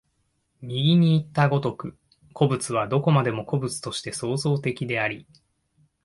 右にいった如く、個物はどこまでも個物として創造的であり、